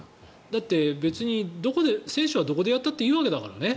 だって、別に選手はどこでやったっていいわけだからね。